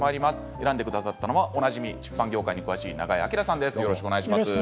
選んでくださったのはおなじみ出版業界に詳しい永江朗さんです。